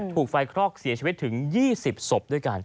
ถูกไฟคลอกเสียชีวิตถึง๒๐ศพด้วยกัน